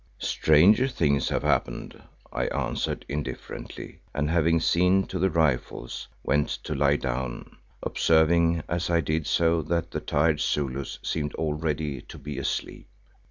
"Stranger things have happened," I answered indifferently, and having seen to the rifles, went to lie down, observing as I did so that the tired Zulus seemed already to be asleep.